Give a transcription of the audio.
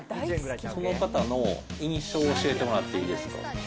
その方の印象を教えてもらっていいですか？